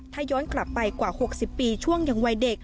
ถ้าย้อนกลับไปกว่า๖๐ปีช่วงยังวัยเด็ก